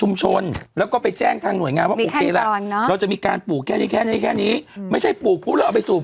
หนุ่มีที่ยังต้องถูกปลูกได้เลยไหม